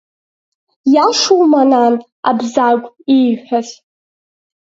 Иашоума, нан, Абзагә ииҳәаз?